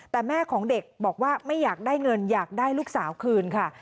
แต่แม่ของเด็กบอกว่าไม่อยากได้เงินอยากได้ลูกสาวคืนค่ะ